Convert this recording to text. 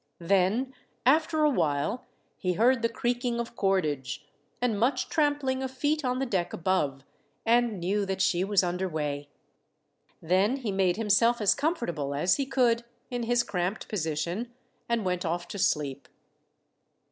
Then, after a while, he heard the creaking of cordage, and much trampling of feet on the deck above, and knew that she was under way. Then he made himself as comfortable as he could, in his cramped position, and went off to sleep.